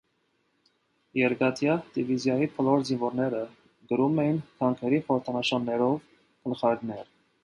Երկաթյա դիվիզիայի բոլոր զինվորները կրում էին գանգերի խորհրդանշաններով գլխարկներ։